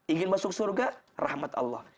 ingin masuk surga rahmat allah